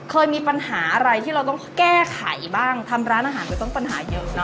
เคยมีปัญหาอะไรที่เราต้องแก้ไขบ้างทำร้านอาหารก็ต้องปัญหาเยอะเนอ